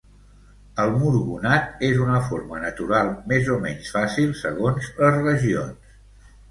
El murgonat és una forma natural més o menys fàcil segons les regions.